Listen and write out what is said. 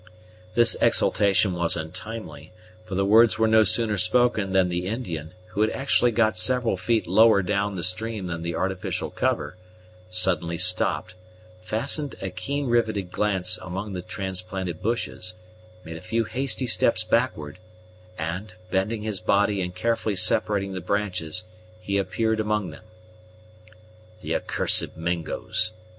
This exultation was untimely; for the words were no sooner spoken than the Indian, who had actually got several feet lower down the stream than the artificial cover, suddenly stopped; fastened a keen riveted glance among the transplanted bushes; made a few hasty steps backward; and, bending his body and carefully separating the branches, he appeared among them. "The accursed Mingos!"